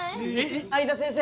相田先生